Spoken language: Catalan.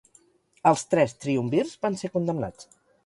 Els tres triumvirs van ser condemnats.